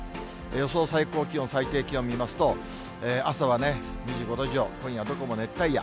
予想最高気温、最低気温見ますと、朝は２５度以上、今夜どこも熱帯夜。